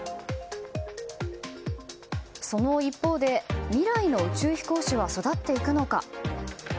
その一方で、未来の宇宙飛行士は育っていくのか。